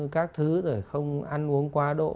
các thứ rồi không ăn uống quá độ